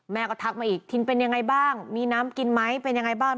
แม่ก็ทักมาอีกทินเป็นยังไงบ้างมีน้ำกินไหมเป็นยังไงบ้าง